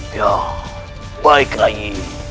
ya baik rai